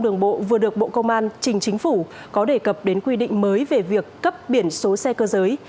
đường bộ vừa được bộ công an trình chính phủ có đề cập đến quy định mới về việc cấp biển số xe cơ giới